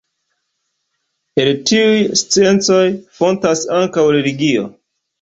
El tiuj sciencoj fontas ankaŭ religio.